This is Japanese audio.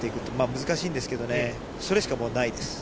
難しいんですけどね、それしかもうないです。